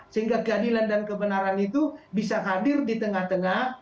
sehingga keadilan dan kebenaran itu bisa hadir di tengah tengah